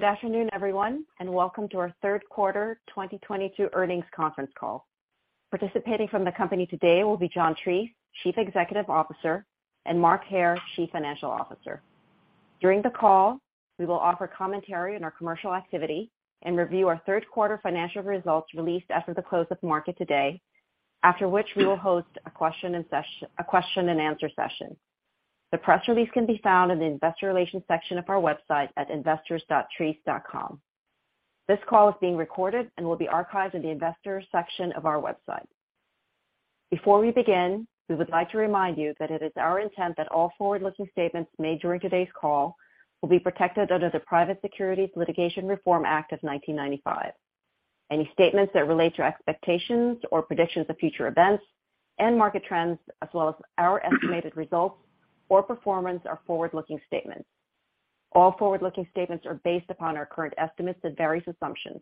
Good afternoon, everyone, and welcome to our third quarter 2022 earnings conference call. Participating from the company today will be John Treace, Chief Executive Officer, and Mark Hair, Chief Financial Officer. During the call, we will offer commentary on our commercial activity and review our third quarter financial results released after the close of market today, after which we will host a question and answer session. The press release can be found in the investor relations section of our website at investors.treace.com. This call is being recorded and will be archived in the investors section of our website. Before we begin, we would like to remind you that it is our intent that all forward-looking statements made during today's call will be protected under the Private Securities Litigation Reform Act of 1995. Any statements that relate to expectations or predictions of future events and market trends, as well as our estimated results or performance are forward-looking statements. All forward-looking statements are based upon our current estimates and various assumptions.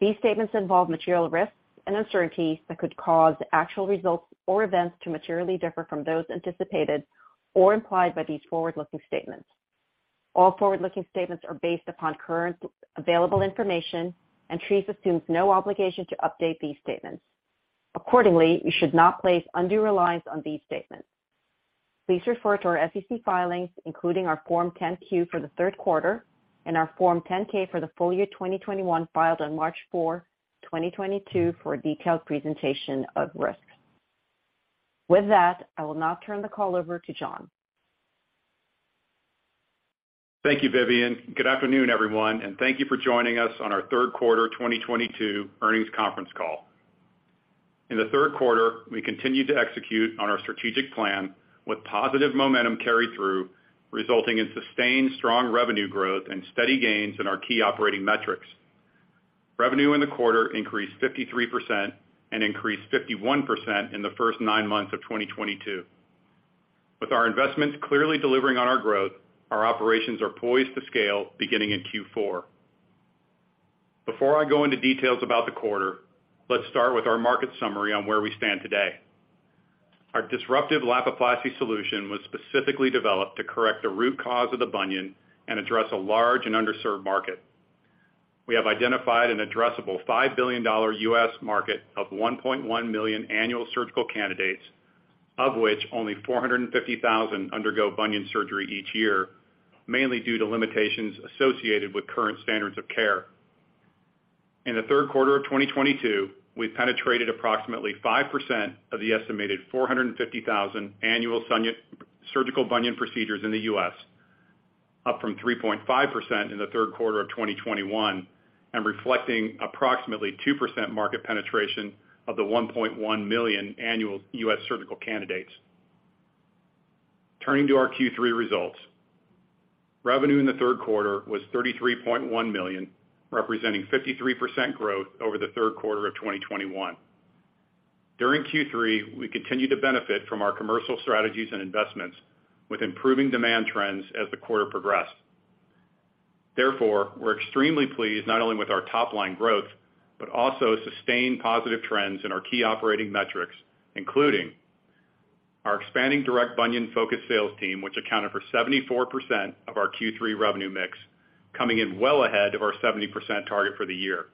These statements involve material risks and uncertainties that could cause actual results or events to materially differ from those anticipated or implied by these forward-looking statements. All forward-looking statements are based upon current available information, and Treace assumes no obligation to update these statements. You should not place undue reliance on these statements. Please refer to our SEC filings, including our Form 10-Q for the third quarter and our Form 10-K for the full year 2021, filed on March 4, 2022, for a detailed presentation of risks. I will now turn the call over to John. Thank you, Vivian. Good afternoon, everyone, and thank you for joining us on our third quarter 2022 earnings conference call. In the third quarter, we continued to execute on our strategic plan with positive momentum carry through, resulting in sustained strong revenue growth and steady gains in our key operating metrics. Revenue in the quarter increased 53% and increased 51% in the first nine months of 2022. With our investments clearly delivering on our growth, our operations are poised to scale beginning in Q4. Before I go into details about the quarter, let's start with our market summary on where we stand today. Our disruptive Lapiplasty solution was specifically developed to correct the root cause of the bunion and address a large and underserved market. We have identified an addressable $5 billion U.S. market of 1.1 million annual surgical candidates, of which only 450,000 undergo bunion surgery each year, mainly due to limitations associated with current standards of care. In the third quarter of 2022, we've penetrated approximately 5% of the estimated 450,000 annual surgical bunion procedures in the U.S., up from 3.5% in the third quarter of 2021, and reflecting approximately 2% market penetration of the 1.1 million annual U.S. surgical candidates. Turning to our Q3 results. Revenue in the third quarter was $33.1 million, representing 53% growth over the third quarter of 2021. During Q3, we continued to benefit from our commercial strategies and investments with improving demand trends as the quarter progressed. Therefore, we're extremely pleased not only with our top-line growth, but also sustained positive trends in our key operating metrics, including our expanding direct bunion-focused sales team, which accounted for 74% of our Q3 revenue mix, coming in well ahead of our 70% target for the year.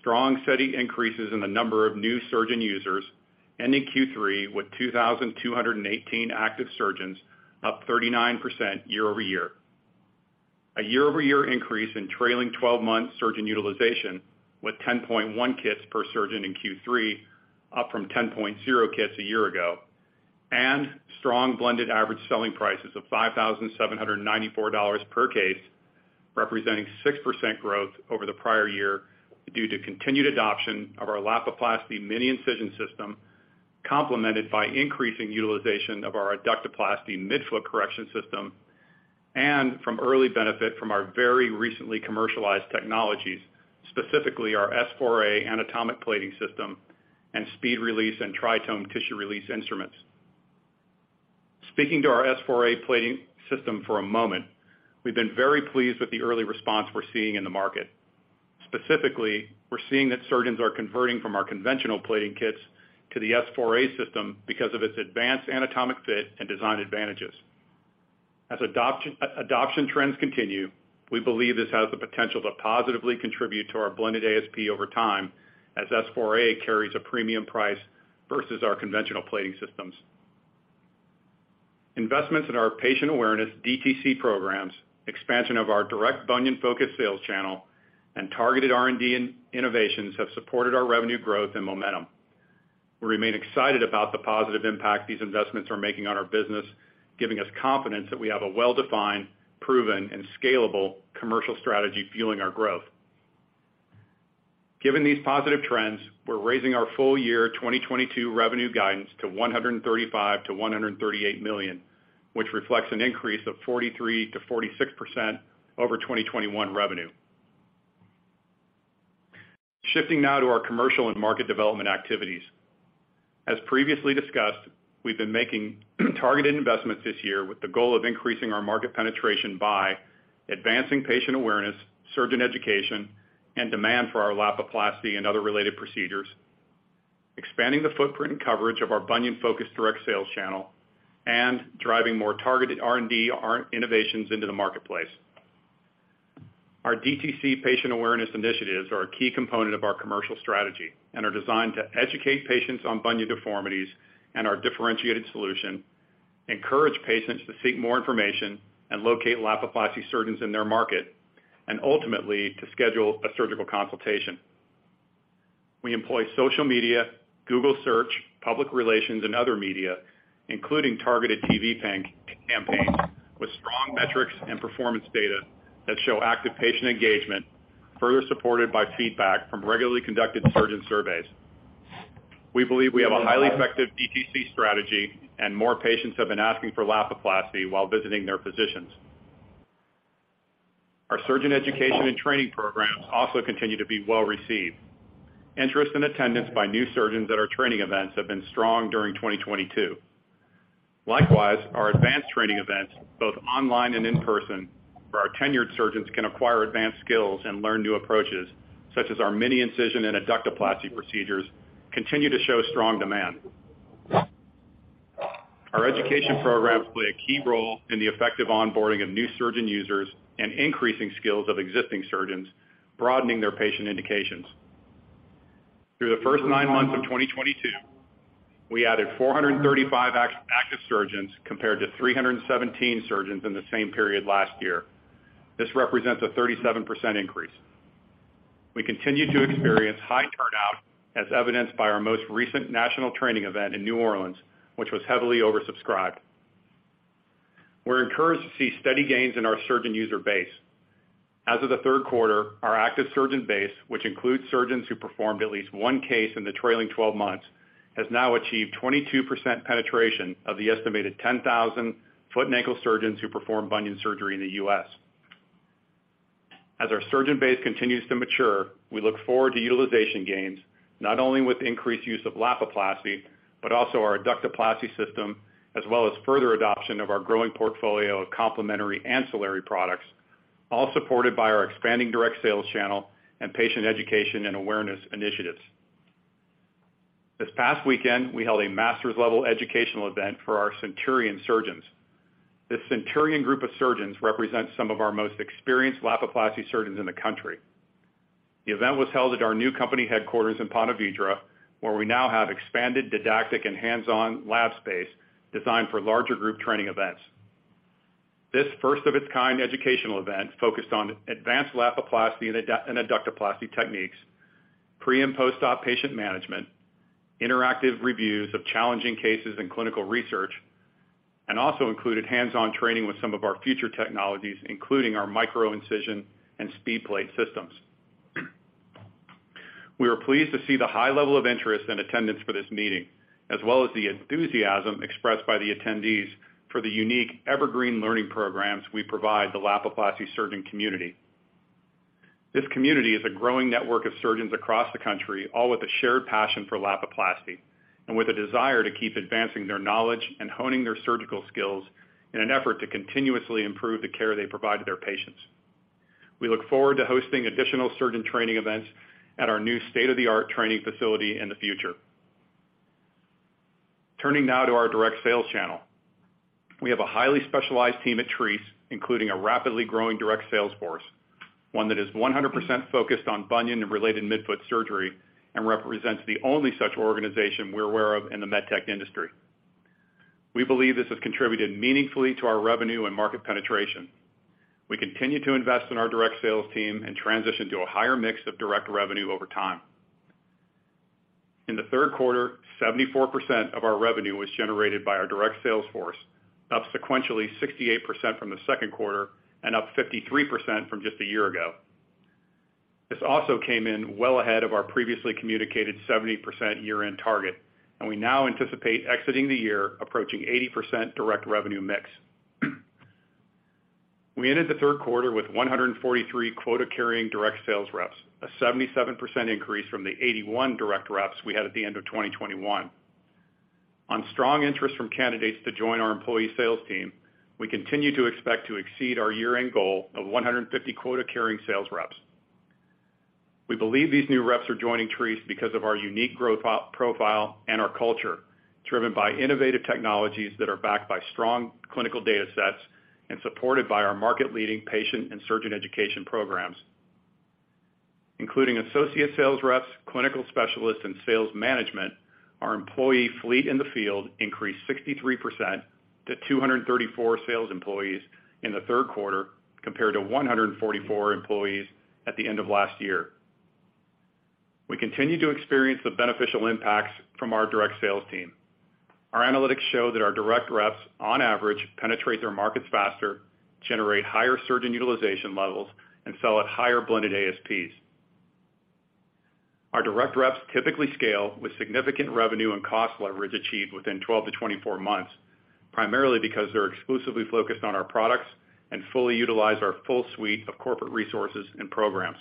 Strong, steady increases in the number of new surgeon users, ending Q3 with 2,218 active surgeons, up 39% year-over-year. A year-over-year increase in trailing 12-month surgeon utilization with 10.1 kits per surgeon in Q3, up from 10.0 kits a year ago, and strong blended average selling prices of $5,794 per case, representing 6% growth over the prior year, due to continued adoption of our Lapiplasty Mini-Incision System, complemented by increasing utilization of our Adductoplasty Midfoot Correction System and from early benefit from our very recently commercialized technologies, specifically our S4A Anatomic Plating System and SpeedRelease and TriTome tissue release instruments. Speaking to our S4A Plating System for a moment, we've been very pleased with the early response we're seeing in the market. Specifically, we're seeing that surgeons are converting from our conventional plating kits to the S4A system because of its advanced anatomic fit and design advantages. As adoption trends continue, we believe this has the potential to positively contribute to our blended ASP over time, as S4A carries a premium price versus our conventional plating systems. Investments in our patient awareness DTC programs, expansion of our direct bunion-focused sales channel, and targeted R&D innovations have supported our revenue growth and momentum. We remain excited about the positive impact these investments are making on our business, giving us confidence that we have a well-defined, proven, and scalable commercial strategy fueling our growth. Given these positive trends, we're raising our full year 2022 revenue guidance to $135 million-$138 million, which reflects an increase of 43%-46% over 2021 revenue. Shifting now to our commercial and market development activities. As previously discussed, we've been making targeted investments this year with the goal of increasing our market penetration by advancing patient awareness, surgeon education, and demand for our Lapiplasty and other related procedures, expanding the footprint and coverage of our bunion-focused direct sales channel, and driving more targeted R&D innovations into the marketplace. Our DTC patient awareness initiatives are a key component of our commercial strategy and are designed to educate patients on bunion deformities and our differentiated solution, encourage patients to seek more information, and locate Lapiplasty surgeons in their market, and ultimately, to schedule a surgical consultation. We employ social media, Google Search, public relations, and other media, including targeted TV campaigns, with strong metrics and performance data that show active patient engagement, further supported by feedback from regularly conducted surgeon surveys. We believe we have a highly effective DTC strategy, and more patients have been asking for Lapiplasty while visiting their physicians. Our surgeon education and training programs also continue to be well-received. Interest and attendance by new surgeons at our training events have been strong during 2022. Likewise, our advanced training events, both online and in person, where our tenured surgeons can acquire advanced skills and learn new approaches, such as our Mini-Incision and Adductoplasty procedures, continue to show strong demand. Our education programs play a key role in the effective onboarding of new surgeon users and increasing skills of existing surgeons, broadening their patient indications. Through the first nine months of 2022, we added 435 active surgeons compared to 317 surgeons in the same period last year. This represents a 37% increase. We continue to experience high turnout, as evidenced by our most recent national training event in New Orleans, which was heavily oversubscribed. We're encouraged to see steady gains in our surgeon user base. As of the third quarter, our active surgeon base, which includes surgeons who performed at least one case in the trailing 12 months, has now achieved 22% penetration of the estimated 10,000 foot and ankle surgeons who perform bunion surgery in the U.S. As our surgeon base continues to mature, we look forward to utilization gains, not only with increased use of Lapiplasty, but also our Adductoplasty system, as well as further adoption of our growing portfolio of complementary ancillary products, all supported by our expanding direct sales channel and patient education and awareness initiatives. This past weekend, we held a master's level educational event for our Centurion surgeons. This Centurion group of surgeons represents some of our most experienced Lapiplasty surgeons in the country. The event was held at our new company headquarters in Ponte Vedra, where we now have expanded didactic and hands-on lab space designed for larger group training events. This first-of-its-kind educational event focused on advanced Lapiplasty and Adductoplasty techniques, pre- and post-op patient management, interactive reviews of challenging cases and clinical research, and also included hands-on training with some of our future technologies, including our Micro-Incision and SpeedPlate systems. We are pleased to see the high level of interest and attendance for this meeting, as well as the enthusiasm expressed by the attendees for the unique evergreen learning programs we provide the Lapiplasty surgeon community. This community is a growing network of surgeons across the country, all with a shared passion for Lapiplasty, and with a desire to keep advancing their knowledge and honing their surgical skills in an effort to continuously improve the care they provide to their patients. We look forward to hosting additional surgeon training events at our new state-of-the-art training facility in the future. Turning now to our direct sales channel. We have a highly specialized team at Treace, including a rapidly growing direct sales force, one that is 100% focused on bunion and related midfoot surgery, and represents the only such organization we're aware of in the med tech industry. We believe this has contributed meaningfully to our revenue and market penetration. We continue to invest in our direct sales team and transition to a higher mix of direct revenue over time. In the third quarter, 74% of our revenue was generated by our direct sales force, up sequentially 68% from the second quarter, and up 53% from just a year ago. This also came in well ahead of our previously communicated 70% year-end target, and we now anticipate exiting the year approaching 80% direct revenue mix. We ended the third quarter with 143 quota-carrying direct sales reps, a 77% increase from the 81 direct reps we had at the end of 2021. On strong interest from candidates to join our employee sales team, we continue to expect to exceed our year-end goal of 150 quota-carrying sales reps. We believe these new reps are joining Treace because of our unique growth profile and our culture, driven by innovative technologies that are backed by strong clinical data sets and supported by our market-leading patient and surgeon education programs. Including associate sales reps, clinical specialists, and sales management, our employee fleet in the field increased 63% to 234 sales employees in the third quarter, compared to 144 employees at the end of last year. We continue to experience the beneficial impacts from our direct sales team. Our analytics show that our direct reps, on average, penetrate their markets faster, generate higher surgeon utilization levels, and sell at higher blended ASPs. Our direct reps typically scale with significant revenue and cost leverage achieved within 12 to 24 months, primarily because they're exclusively focused on our products and fully utilize our full suite of corporate resources and programs.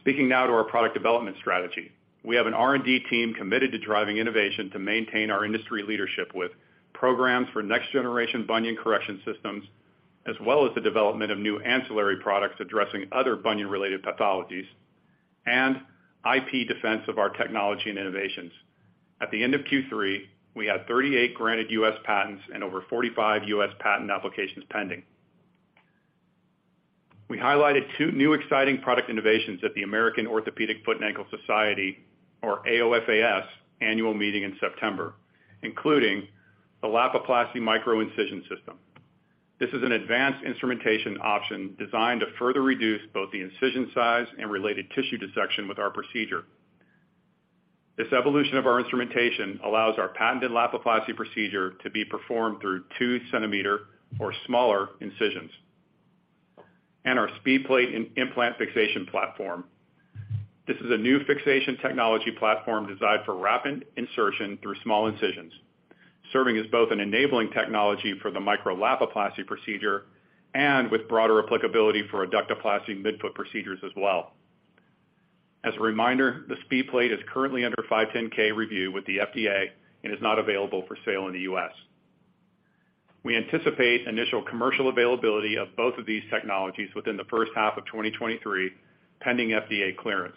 Speaking now to our product development strategy. We have an R&D team committed to driving innovation to maintain our industry leadership with programs for next-generation bunion correction systems as well as the development of new ancillary products addressing other bunion-related pathologies and IP defense of our technology and innovations. At the end of Q3, we had 38 granted U.S. patents and over 45 U.S. patent applications pending. We highlighted two new exciting product innovations at the American Orthopaedic Foot & Ankle Society, or AOFAS, annual meeting in September, including the Lapiplasty Micro-Incision System. This is an advanced instrumentation option designed to further reduce both the incision size and related tissue dissection with our procedure. This evolution of our instrumentation allows our patented Lapiplasty procedure to be performed through two-centimeter or smaller incisions. Our SpeedPlate implant fixation platform. This is a new fixation technology platform designed for rapid insertion through small incisions, serving as both an enabling technology for the Micro-Lapiplasty procedure and with broader applicability for Adductoplasty midfoot procedures as well. As a reminder, the SpeedPlate is currently under 510 review with the FDA and is not available for sale in the U.S. We anticipate initial commercial availability of both of these technologies within the first half of 2023, pending FDA clearance.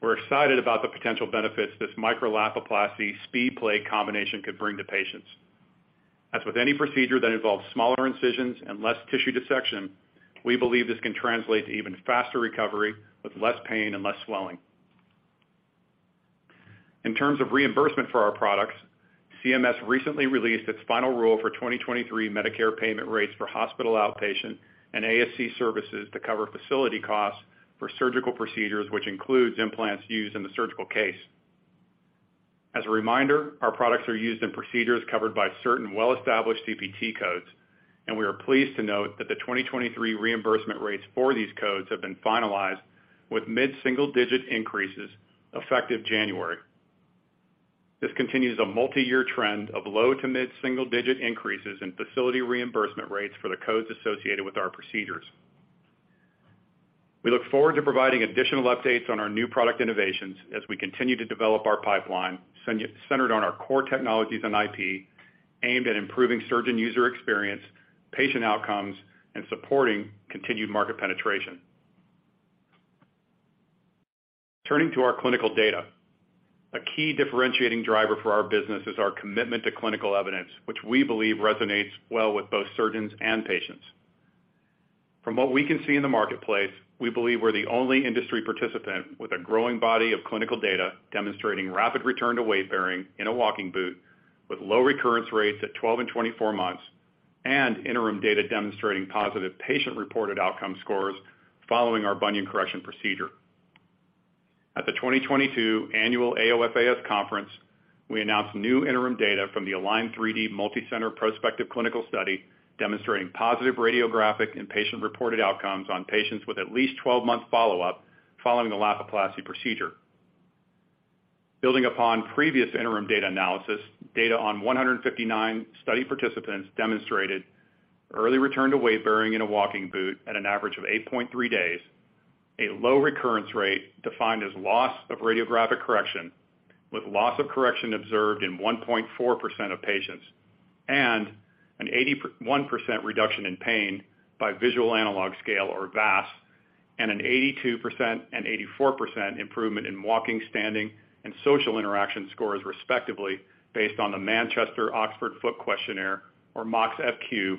We're excited about the potential benefits this Micro-Lapiplasty SpeedPlate combination could bring to patients. As with any procedure that involves smaller incisions and less tissue dissection, we believe this can translate to even faster recovery with less pain and less swelling. In terms of reimbursement for our products, CMS recently released its final rule for 2023 Medicare payment rates for hospital outpatient and ASC services to cover facility costs for surgical procedures, which includes implants used in the surgical case. As a reminder, our products are used in procedures covered by certain well-established CPT codes. We are pleased to note that the 2023 reimbursement rates for these codes have been finalized with mid-single-digit increases effective January. This continues a multi-year trend of low to mid-single-digit increases in facility reimbursement rates for the codes associated with our procedures. We look forward to providing additional updates on our new product innovations as we continue to develop our pipeline centered on our core technologies and IP, aimed at improving surgeon user experience, patient outcomes, and supporting continued market penetration. Turning to our clinical data. A key differentiating driver for our business is our commitment to clinical evidence, which we believe resonates well with both surgeons and patients. From what we can see in the marketplace, we believe we're the only industry participant with a growing body of clinical data demonstrating rapid return to weight bearing in a walking boot with low recurrence rates at 12 and 24 months, and interim data demonstrating positive patient-reported outcome scores following our bunion correction procedure. At the 2022 annual AOFAS conference, we announced new interim data from the ALIGN3D multicenter prospective clinical study demonstrating positive radiographic and patient-reported outcomes on patients with at least 12-month follow-up following a Lapiplasty procedure. Building upon previous interim data analysis, data on 159 study participants demonstrated early return to weight bearing in a walking boot at an average of 8.3 days, a low recurrence rate defined as loss of radiographic correction, with loss of correction observed in 1.4% of patients, and an 81% reduction in pain by visual analog scale or VAS, and an 82% and 84% improvement in walking, standing, and social interaction scores respectively, based on the Manchester-Oxford Foot Questionnaire, or MOxFQ,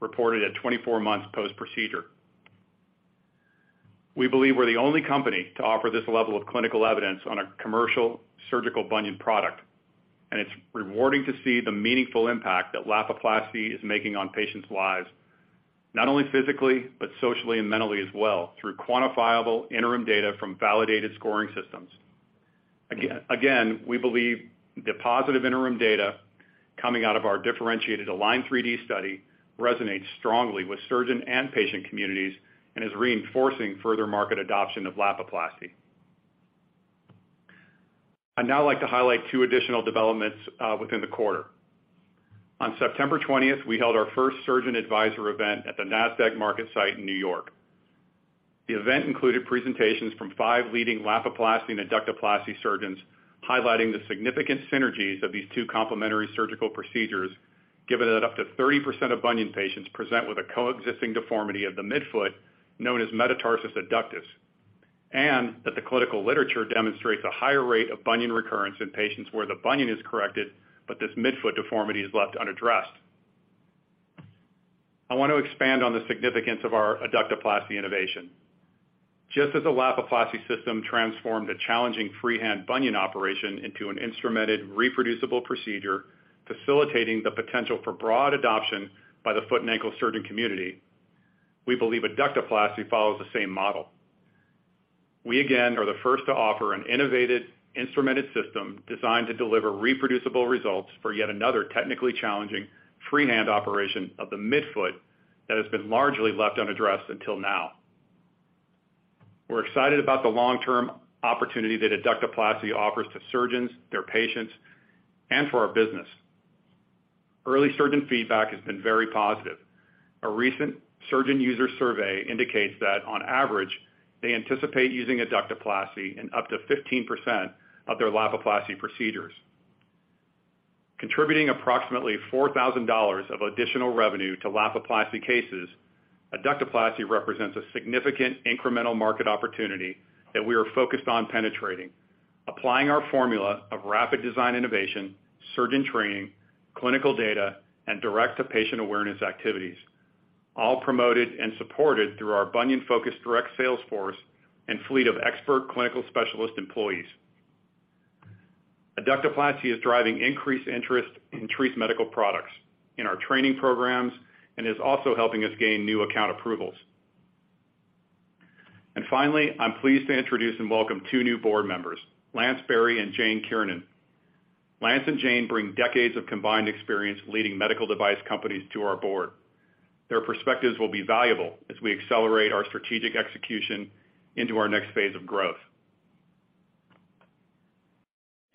reported at 24 months post-procedure. We believe we're the only company to offer this level of clinical evidence on a commercial surgical bunion product, and it's rewarding to see the meaningful impact that Lapiplasty is making on patients' lives, not only physically, but socially and mentally as well, through quantifiable interim data from validated scoring systems. Again, we believe the positive interim data coming out of our differentiated ALIGN3D study resonates strongly with surgeon and patient communities and is reinforcing further market adoption of Lapiplasty. I'd now like to highlight two additional developments within the quarter. On September 20th, we held our first surgeon advisor event at the Nasdaq market site in New York. The event included presentations from 5 leading Lapiplasty and Adductoplasty surgeons highlighting the significant synergies of these two complementary surgical procedures, given that up to 30% of bunion patients present with a coexisting deformity of the midfoot, known as metatarsus adductus, and that the clinical literature demonstrates a higher rate of bunion recurrence in patients where the bunion is corrected, but this midfoot deformity is left unaddressed. I want to expand on the significance of our Adductoplasty innovation. Just as the Lapiplasty system transformed a challenging freehand bunion operation into an instrumented, reproducible procedure, facilitating the potential for broad adoption by the foot and ankle surgeon community, we believe Adductoplasty follows the same model. We, again, are the first to offer an innovative instrumented system designed to deliver reproducible results for yet another technically challenging freehand operation of the midfoot that has been largely left unaddressed until now. We're excited about the long-term opportunity that Adductoplasty offers to surgeons, their patients, and for our business. Early surgeon feedback has been very positive. A recent surgeon user survey indicates that on average, they anticipate using Adductoplasty in up to 15% of their Lapiplasty procedures. Contributing approximately $4,000 of additional revenue to Lapiplasty cases, Adductoplasty represents a significant incremental market opportunity that we are focused on penetrating, applying our formula of rapid design innovation, surgeon training, clinical data, and direct-to-patient awareness activities, all promoted and supported through our bunion-focused direct sales force and fleet of expert clinical specialist employees. Adductoplasty is driving increased interest in Treace Medical products in our training programs, and is also helping us gain new account approvals. Finally, I'm pleased to introduce and welcome two new board members, Lance Berry and Jane Kiernan. Lance and Jane bring decades of combined experience leading medical device companies to our board. Their perspectives will be valuable as we accelerate our strategic execution into our next phase of growth.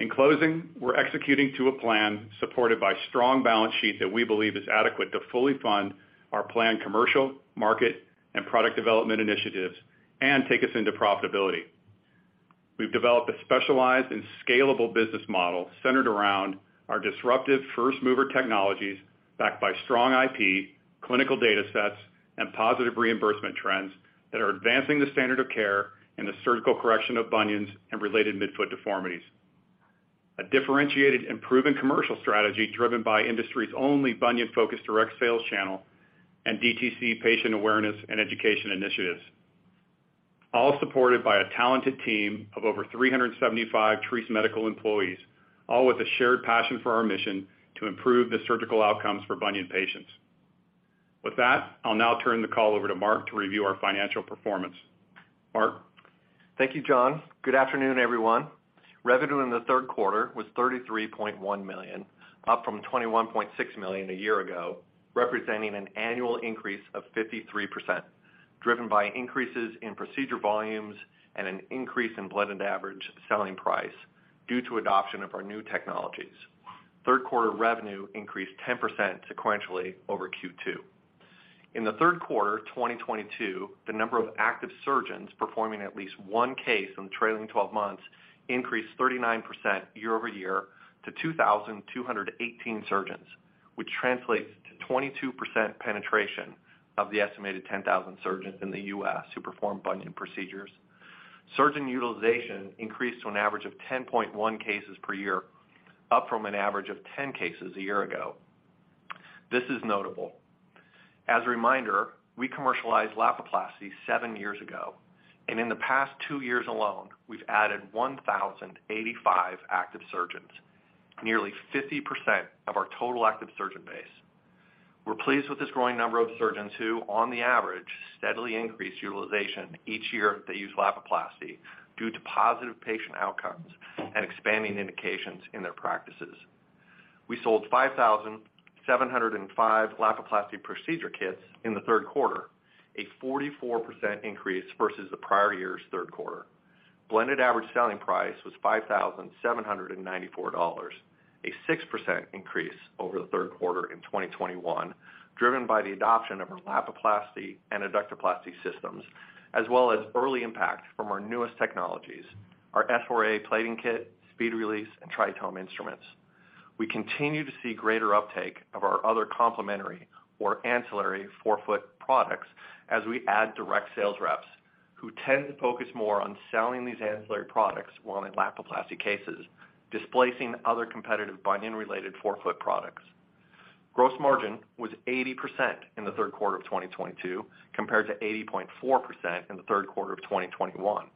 In closing, we're executing to a plan supported by strong balance sheet that we believe is adequate to fully fund our planned commercial, market, and product development initiatives, and take us into profitability. We've developed a specialized and scalable business model centered around our disruptive first-mover technologies, backed by strong IP, clinical data sets, and positive reimbursement trends that are advancing the standard of care in the surgical correction of bunions and related midfoot deformities. A differentiated and proven commercial strategy driven by industry's only bunion-focused direct sales channel and DTC patient awareness and education initiatives. All supported by a talented team of over 375 Treace Medical employees, all with a shared passion for our mission to improve the surgical outcomes for bunion patients. With that, I'll now turn the call over to Mark to review our financial performance. Mark? Thank you, John. Good afternoon, everyone. Revenue in the third quarter was $33.1 million, up from $21.6 million a year ago, representing an annual increase of 53%, driven by increases in procedure volumes and an increase in blended average selling price due to adoption of our new technologies. Third quarter revenue increased 10% sequentially over Q2. In the third quarter 2022, the number of active surgeons performing at least one case in the trailing 12 months increased 39% year-over-year to 2,218 surgeons, which translates to 22% penetration of the estimated 10,000 surgeons in the U.S. who perform bunion procedures. Surgeon utilization increased to an average of 10.1 cases per year, up from an average of 10 cases a year ago. This is notable. As a reminder, we commercialized Lapiplasty seven years ago, and in the past two years alone, we've added 1,085 active surgeons, nearly 50% of our total active surgeon base. We're pleased with this growing number of surgeons who, on the average, steadily increase utilization each year they use Lapiplasty due to positive patient outcomes and expanding indications in their practices. We sold 5,705 Lapiplasty procedure kits in the third quarter, a 44% increase versus the prior year's third quarter. Blended average selling price was $5,794, a 6% increase over the third quarter in 2021, driven by the adoption of our Lapiplasty and Adductoplasty systems, as well as early impact from our newest technologies, our S4A plating kit, SpeedRelease, and TriTome instruments. We continue to see greater uptake of our other complementary or ancillary forefoot products as we add direct sales reps who tend to focus more on selling these ancillary products while in Lapiplasty cases, displacing other competitive bunion-related forefoot products. Gross margin was 80% in the third quarter of 2022, compared to 80.4% in the third quarter of 2021.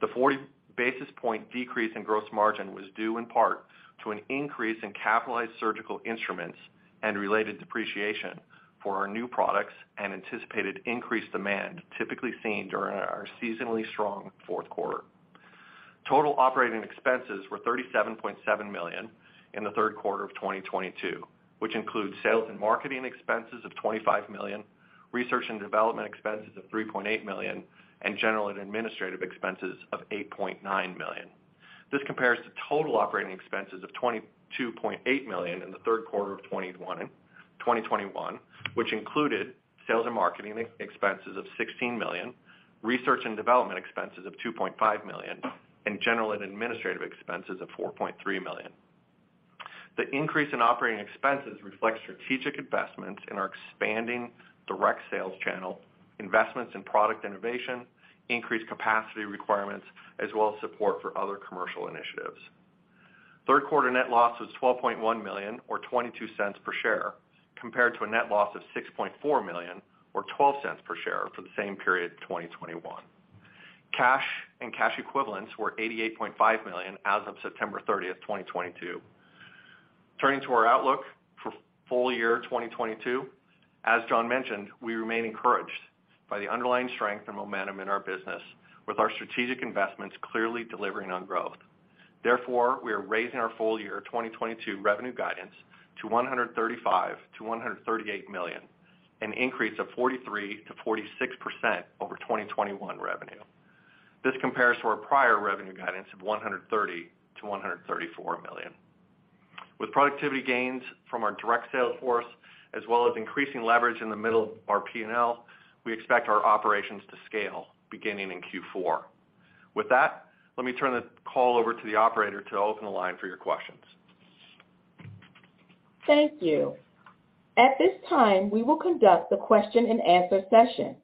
The 40-basis point decrease in gross margin was due in part to an increase in capitalized surgical instruments and related depreciation for our new products and anticipated increased demand typically seen during our seasonally strong fourth quarter. Total operating expenses were $37.7 million in the third quarter of 2022, which includes sales and marketing expenses of $25 million, research and development expenses of $3.8 million, and general and administrative expenses of $8.9 million. This compares to total operating expenses of $22.8 million in the third quarter of 2021, which included sales and marketing expenses of $16 million, research and development expenses of $2.5 million, and general and administrative expenses of $4.3 million. The increase in operating expenses reflects strategic investments in our expanding direct sales channel, investments in product innovation, increased capacity requirements, as well as support for other commercial initiatives. Third quarter net loss was $12.1 million or $0.22 per share, compared to a net loss of $6.4 million or $0.12 per share for the same period in 2021. Cash and cash equivalents were $88.5 million as of September 30th, 2022. Turning to our outlook for full year 2022, as John mentioned, we remain encouraged by the underlying strength and momentum in our business, with our strategic investments clearly delivering on growth. Therefore, we are raising our full year 2022 revenue guidance to $135 million-$138 million, an increase of 43%-46% over 2021 revenue. This compares to our prior revenue guidance of $130 million-$134 million. With productivity gains from our direct sales force, as well as increasing leverage in the middle of our P&L, we expect our operations to scale beginning in Q4. With that, let me turn the call over to the operator to open the line for your questions. Thank you. At this time, we will conduct the question and answer session.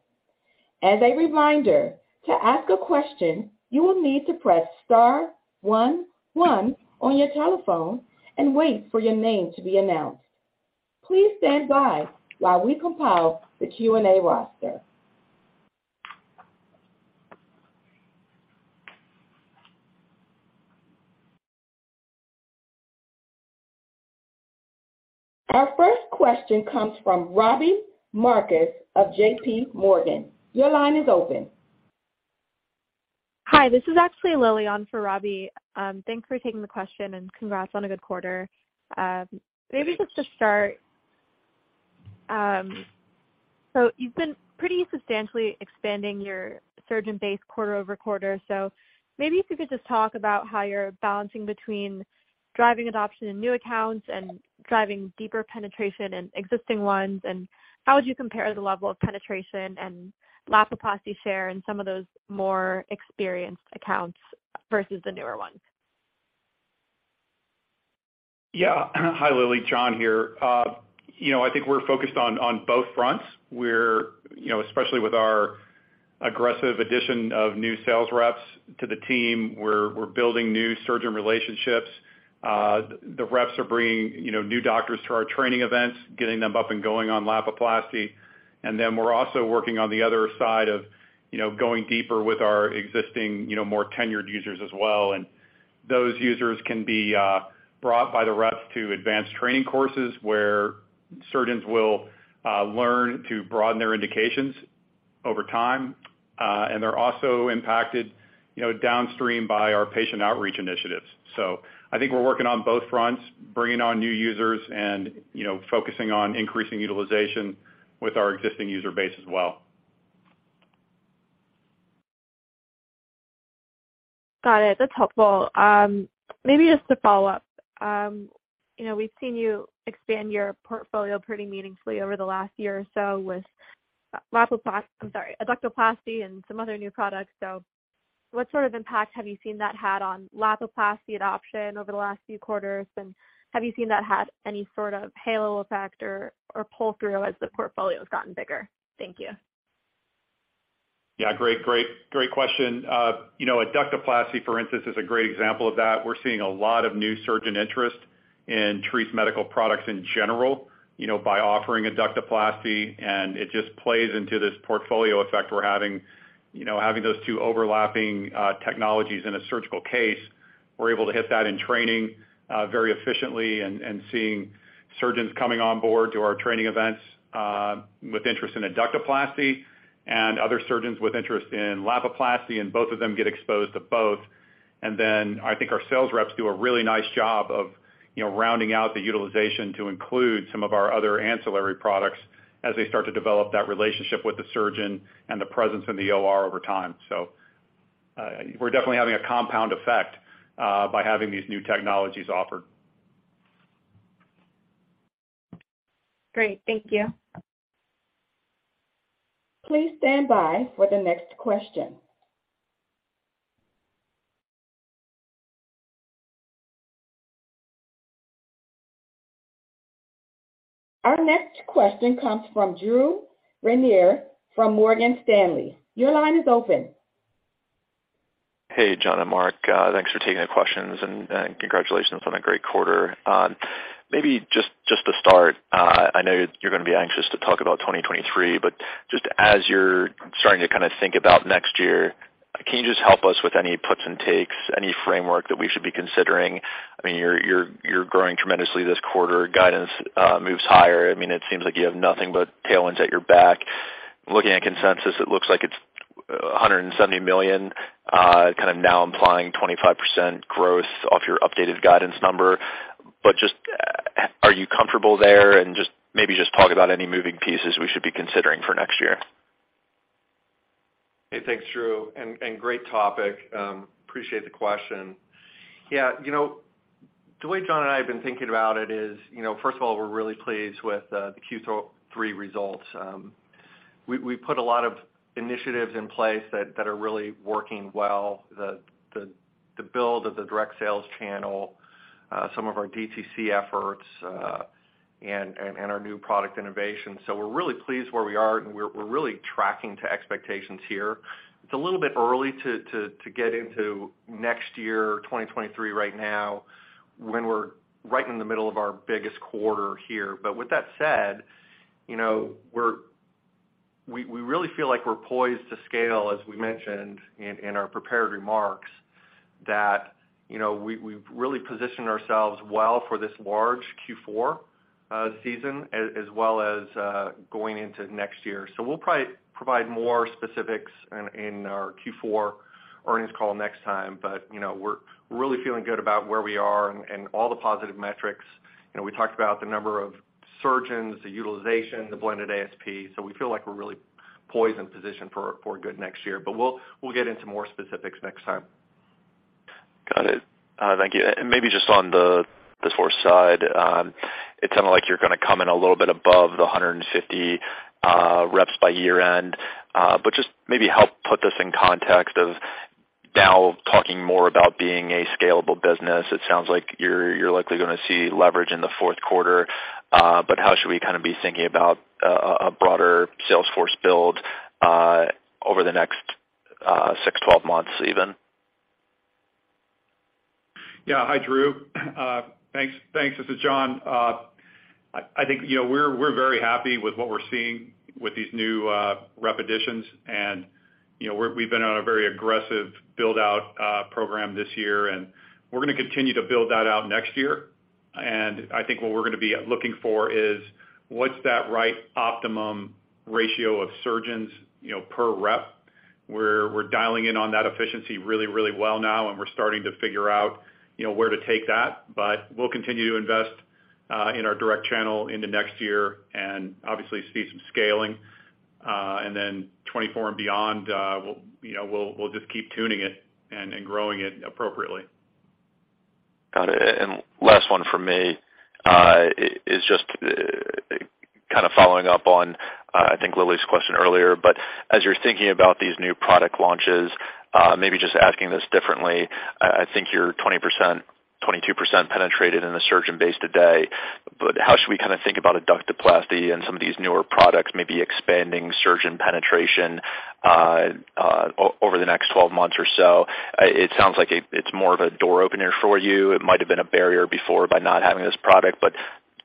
As a reminder, to ask a question, you will need to press star 11 on your telephone and wait for your name to be announced. Please stand by while we compile the Q&A roster. Our first question comes from Robbie Marcus of JPMorgan. Your line is open. Hi, this is actually Lillian for Robbie. Thanks for taking the question and congrats on a good quarter. Thanks. Maybe just to start, you've been pretty substantially expanding your surgeon base quarter-over-quarter. Maybe if you could just talk about how you're balancing between driving adoption in new accounts and driving deeper penetration in existing ones, and how would you compare the level of penetration and Lapiplasty share in some of those more experienced accounts versus the newer ones? Yeah. Hi, Lillian, John here. I think we're focused on both fronts. Especially with our aggressive addition of new sales reps to the team, we're building new surgeon relationships. The reps are bringing new doctors to our training events, getting them up and going on Lapiplasty. We're also working on the other side of going deeper with our existing more tenured users as well. Those users can be brought by the reps to advanced training courses, where surgeons will learn to broaden their indications over time. They're also impacted downstream by our patient outreach initiatives. I think we're working on both fronts, bringing on new users and focusing on increasing utilization with our existing user base as well. Got it. That's helpful. Maybe just to follow up. We've seen you expand your portfolio pretty meaningfully over the last year or so with Lapiplasty, I'm sorry, Adductoplasty and some other new products. What sort of impact have you seen that had on Lapiplasty adoption over the last few quarters, and have you seen that had any sort of halo effect or pull-through as the portfolio's gotten bigger? Thank you. Yeah. Great question. Adductoplasty, for instance, is a great example of that. We're seeing a lot of new surgeon interest in Treace Medical Concepts products in general, by offering Adductoplasty. It just plays into this portfolio effect we're having those two overlapping technologies in a surgical case. We're able to hit that in training very efficiently and seeing surgeons coming on board to our training events with interest in Adductoplasty and other surgeons with interest in Lapiplasty. Both of them get exposed to both. I think our sales reps do a really nice job of rounding out the utilization to include some of our other ancillary products as they start to develop that relationship with the surgeon and the presence in the OR over time. We're definitely having a compound effect by having these new technologies offered. Great. Thank you. Please stand by for the next question. Our next question comes from Drew Ranieri from Morgan Stanley. Your line is open. Hey, John and Mark. Thanks for taking the questions, and congratulations on a great quarter. Maybe just to start, I know you're going to be anxious to talk about 2023, but just as you're starting to kind of think about next year, can you just help us with any puts and takes, any framework that we should be considering? I mean, you're growing tremendously this quarter. Guidance moves higher. I mean, it seems like you have nothing but tailwinds at your back. Looking at consensus, it looks like it's $170 million, kind of now implying 25% growth off your updated guidance number. Just, are you comfortable there? Just maybe just talk about any moving pieces we should be considering for next year. Hey, thanks, Drew, and great topic. Appreciate the question. Yeah, the way John and I have been thinking about it is, first of all, we're really pleased with the Q3 results. We put a lot of initiatives in place that are really working well. The build of the direct sales channel, some of our DTC efforts, and our new product innovation. We're really pleased where we are, and we're really tracking to expectations here. It's a little bit early to get into next year, 2023 right now when we're right in the middle of our biggest quarter here. With that said, we really feel like we're poised to scale, as we mentioned in our prepared remarks, that we've really positioned ourselves well for this large Q4 season as well as going into next year. We'll probably provide more specifics in our Q4 earnings call next time. We're really feeling good about where we are and all the positive metrics. We talked about the number of surgeons, the utilization, the blended ASP. We feel like we're really poised and positioned for a good next year, but we'll get into more specifics next time. Got it. Thank you. Maybe just on the source side, it sounded like you're going to come in a little bit above the 150 reps by year-end. Just maybe help put this in context of now talking more about being a scalable business. It sounds like you're likely going to see leverage in the fourth quarter. How should we be thinking about a broader sales force build over the next 6, 12 months even? Yeah. Hi, Drew. Thanks. This is John. I think we're very happy with what we're seeing with these new rep additions. We've been on a very aggressive build-out program this year, and we're going to continue to build that out next year. I think what we're going to be looking for is what's that right optimum ratio of surgeons per rep, where we're dialing in on that efficiency really well now, and we're starting to figure out where to take that. We'll continue to invest in our direct channel into next year and obviously see some scaling. Then 2024 and beyond, we'll just keep tuning it and growing it appropriately. Got it. Last one from me is just kind of following up on, I think, Lily's question earlier. As you're thinking about these new product launches, maybe just asking this differently, I think you're 20%-22% penetrated in the surgeon base today, but how should we kind of think about Adductoplasty and some of these newer products maybe expanding surgeon penetration over the next 12 months or so? It sounds like it's more of a door opener for you. It might have been a barrier before by not having this product,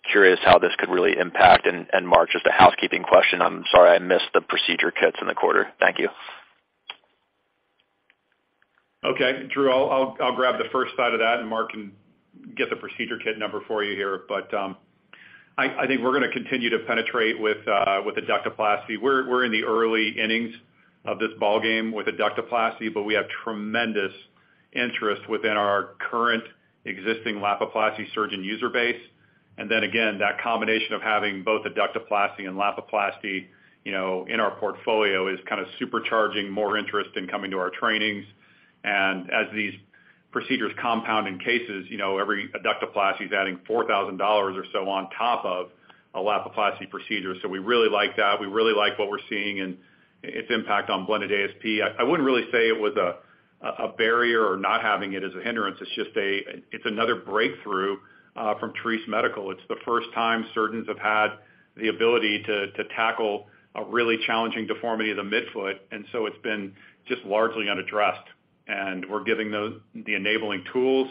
curious how this could really impact. Mark, just a housekeeping question. I'm sorry I missed the procedure kits in the quarter. Thank you. Okay. Drew, I'll grab the first side of that, and Mark can get the procedure kit number for you here. I think we're going to continue to penetrate with Adductoplasty. We're in the early innings of this ballgame with Adductoplasty, but we have tremendous interest within our current existing Lapiplasty surgeon user base. Then again, that combination of having both Adductoplasty and Lapiplasty in our portfolio is kind of supercharging more interest in coming to our trainings. As these procedures compound in cases, every Adductoplasty is adding $4,000 or so on top of a Lapiplasty procedure. We really like that. We really like what we're seeing and its impact on blended ASP. I wouldn't really say it was a barrier or not having it as a hindrance. It's another breakthrough from Treace Medical. It's the first time surgeons have had the ability to tackle a really challenging deformity of the midfoot, so it's been just largely unaddressed. We're giving those the enabling tools,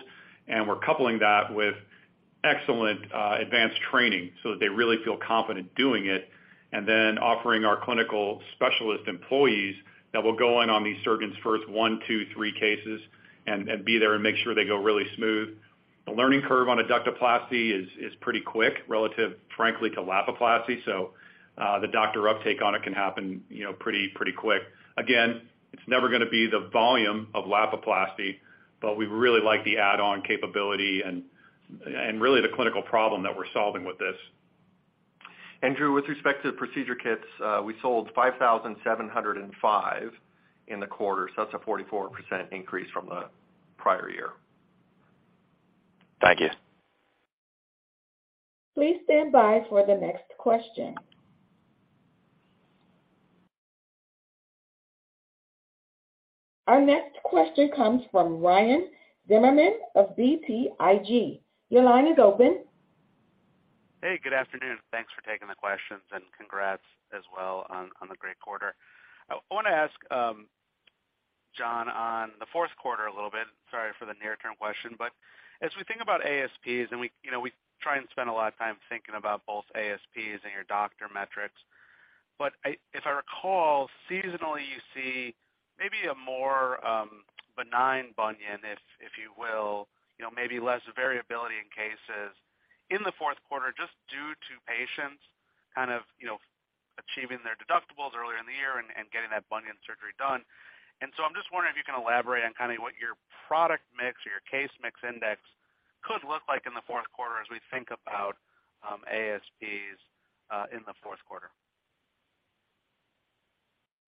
and we're coupling that with excellent advanced training so that they really feel confident doing it, and then offering our clinical specialist employees that will go in on these surgeons' first one to three cases and be there and make sure they go really smooth. The learning curve on Adductoplasty is pretty quick relative, frankly, to Lapiplasty, so the doctor uptake on it can happen pretty quick. Again, it's never going to be the volume of Lapiplasty, but we really like the add-on capability and really the clinical problem that we're solving with this. Drew, with respect to the procedure kits, we sold 5,705 in the quarter. That's a 44% increase from the prior year. Thank you. Please stand by for the next question. Our next question comes from Ryan Zimmerman of BTIG. Your line is open. Hey, good afternoon. Thanks for taking the questions and congrats as well on the great quarter. I want to ask John on the fourth quarter a little bit. Sorry for the near-term question, as we think about ASPs, we try and spend a lot of time thinking about both ASPs and your doctor metrics. If I recall, seasonally, you see maybe a more benign bunion, if you will, maybe less variability in cases in the fourth quarter just due to patients kind of achieving their deductibles earlier in the year and getting that bunion surgery done. I'm just wondering if you can elaborate on kind of what your product mix or your case mix index could look like in the fourth quarter as we think about ASPs in the fourth quarter.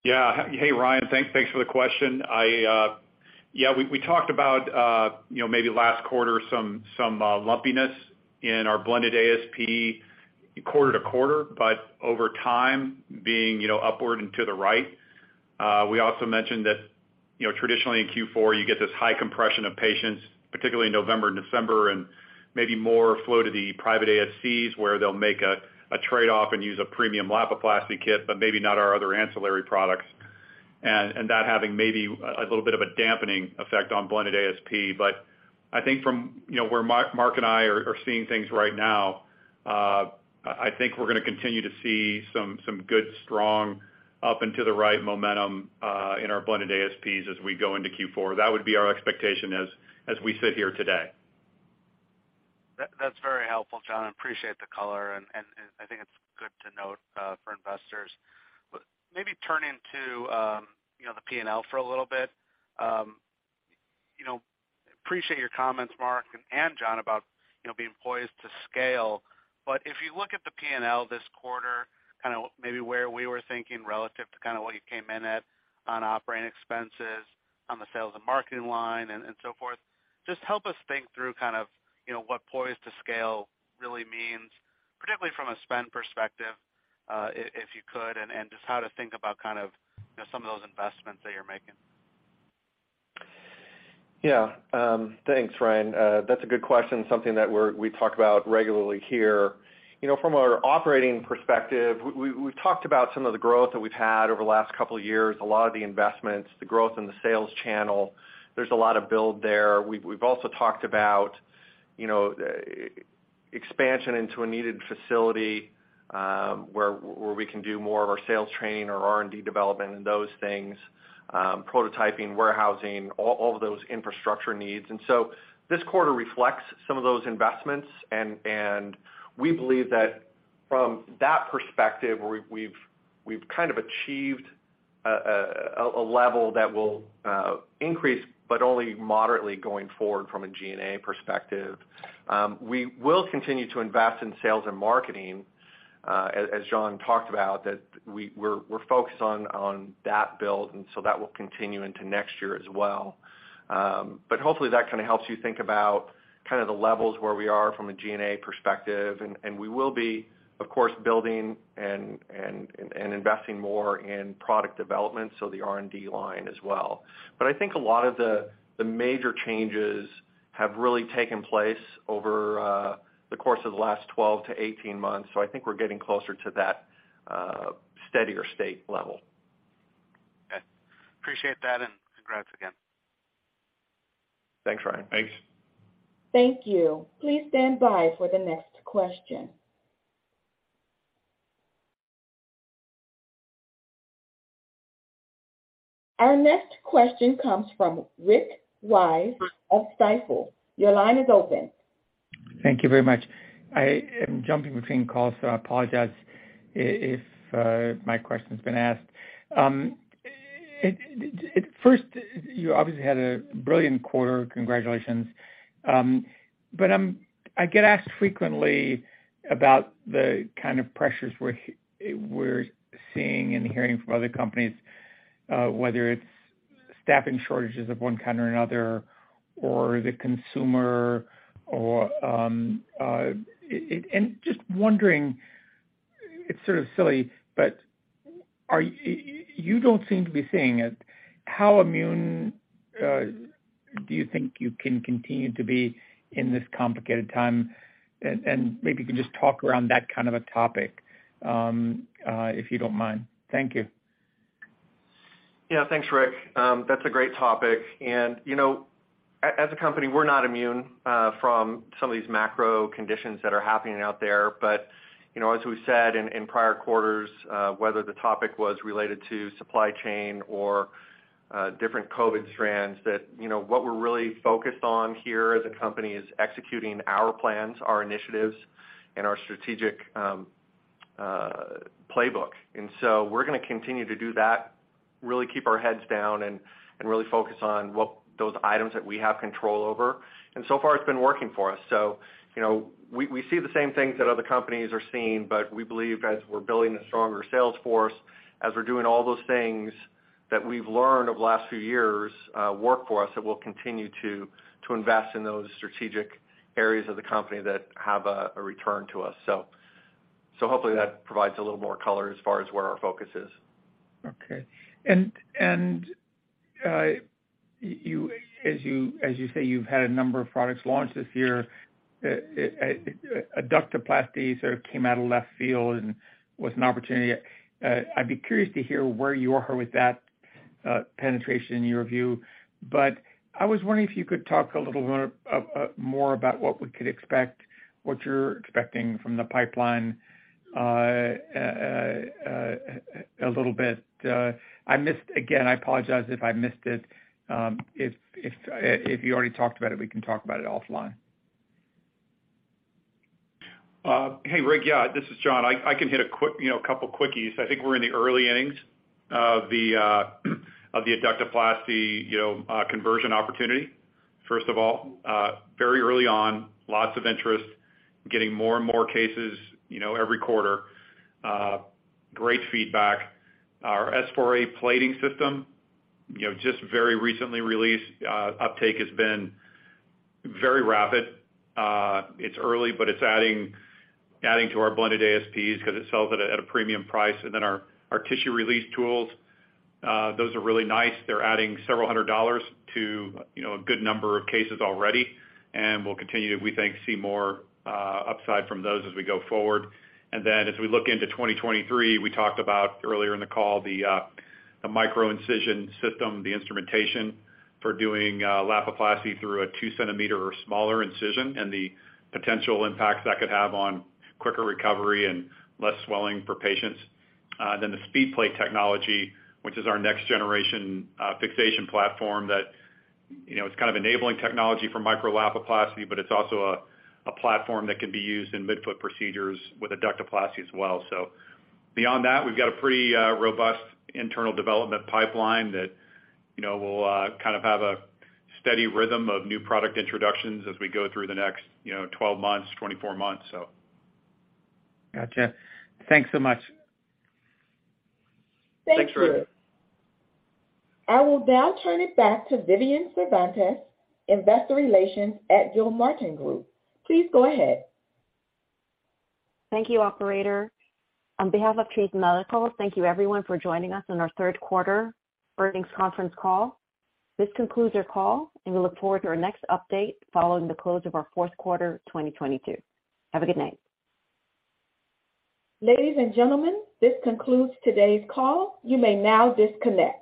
Yeah. Hey, Ryan. Thanks for the question. We talked about maybe last quarter, some lumpiness in our blended ASP quarter to quarter, but over time being upward and to the right. We also mentioned that traditionally in Q4, you get this high compression of patients, particularly in November, December, and maybe more flow to the private ASCs, where they'll make a trade-off and use a premium Lapiplasty kit, but maybe not our other ancillary products, and that having maybe a little bit of a dampening effect on blended ASP. I think from where Mark and I are seeing things right now, I think we're going to continue to see some good, strong, up and to the right momentum in our blended ASPs as we go into Q4. That would be our expectation as we sit here today. That's very helpful, John. I appreciate the color, and I think it's good to note for investors. Maybe turning to the P&L for a little bit. Appreciate your comments, Mark and John, about being poised to scale. If you look at the P&L this quarter, maybe where we were thinking relative to what you came in at on operating expenses, on the sales and marketing line, and so forth, just help us think through what poised to scale really means, particularly from a spend perspective, if you could, and just how to think about some of those investments that you're making. Yeah. Thanks, Ryan. That's a good question, something that we talk about regularly here. From our operating perspective, we've talked about some of the growth that we've had over the last couple of years, a lot of the investments, the growth in the sales channel. There's a lot of build there. We've also talked about expansion into a needed facility where we can do more of our sales training or R&D development and those things, prototyping, warehousing, all of those infrastructure needs. This quarter reflects some of those investments, and we believe that from that perspective, we've kind of achieved a level that will increase, but only moderately going forward from a G&A perspective. We will continue to invest in sales and marketing. As John talked about, that we're focused on that build, that will continue into next year as well. Hopefully, that kind of helps you think about the levels where we are from a G&A perspective, and we will be, of course, building and investing more in product development, so the R&D line as well. I think a lot of the major changes have really taken place over the course of the last 12 to 18 months. I think we're getting closer to that steadier state level. Okay. Appreciate that, congrats again. Thanks, Ryan. Thanks. Thank you. Please stand by for the next question. Our next question comes from Rick Wise of Stifel. Your line is open. Thank you very much. I am jumping between calls, so I apologize if my question's been asked. First, you obviously had a brilliant quarter. Congratulations. I get asked frequently about the kind of pressures we're seeing and hearing from other companies, whether it's staffing shortages of one kind or another or the consumer. Just wondering, it's sort of silly, but you don't seem to be seeing it. How immune do you think you can continue to be in this complicated time? Maybe you can just talk around that kind of a topic, if you don't mind. Thank you. Yeah. Thanks, Rick. That's a great topic. As a company, we're not immune from some of these macro conditions that are happening out there. As we said in prior quarters, whether the topic was related to supply chain or different COVID strands, that what we're really focused on here as a company is executing our plans, our initiatives, and our strategic playbook. We're going to continue to do that, really keep our heads down and really focus on those items that we have control over. So far, it's been working for us. We see the same things that other companies are seeing, we believe as we're building a stronger sales force, as we're doing all those things that we've learned over the last few years work for us, that we'll continue to invest in those strategic areas of the company that have a return to us. Hopefully that provides a little more color as far as where our focus is. Okay. As you say, you've had a number of products launched this year. Adductoplasty sort of came out of left field and was an opportunity. I'd be curious to hear where you are with that penetration in your view. I was wondering if you could talk a little more about what we could expect, what you're expecting from the pipeline a little bit. Again, I apologize if I missed it. If you already talked about it, we can talk about it offline. Hey, Rick. Yeah, this is John. I can hit a couple quickies. I think we're in the early innings of the Adductoplasty conversion opportunity. First of all, very early on, lots of interest, getting more and more cases every quarter. Great feedback. Our S4A Plating System, just very recently released. Uptake has been very rapid. It's early, but it's adding to our blended ASPs because it sells at a premium price. Our tissue release tools, those are really nice. They're adding several hundred dollars to a good number of cases already, and we'll continue to, we think, see more upside from those as we go forward. As we look into 2023, we talked about, earlier in the call, the Micro-Incision System, the instrumentation for doing Lapiplasty through a 2 cm or smaller incision and the potential impacts that could have on quicker recovery and less swelling for patients. The SpeedPlate technology, which is our next generation fixation platform that, it's kind of enabling technology for Micro-Lapiplasty, but it's also a platform that can be used in midfoot procedures with Adductoplasty as well. Beyond that, we've got a pretty robust internal development pipeline that will kind of have a steady rhythm of new product introductions as we go through the next 12 months, 24 months. Gotcha. Thanks so much. Thanks, Rick. Thank you. I will now turn it back to Vivian Cervantes, investor relations at Gilmartin Group. Please go ahead. Thank you, operator. On behalf of Treace Medical, thank you everyone for joining us on our third quarter earnings conference call. This concludes our call, and we look forward to our next update following the close of our fourth quarter 2022. Have a good night. Ladies and gentlemen, this concludes today's call. You may now disconnect.